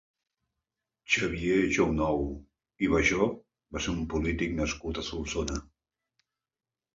Xavier Jounou i Bajo va ser un polític nascut a Solsona.